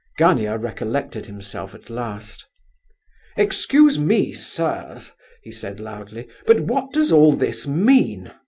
Gania recollected himself at last. "Excuse me, sirs," he said, loudly, "but what does all this mean?"